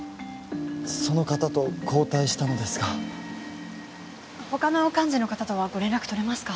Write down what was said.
その方と交代したのですがほかの幹事の方とはご連絡取れますか？